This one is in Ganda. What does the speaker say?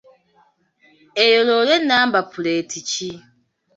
Eyo loole nnamba puleeti ki?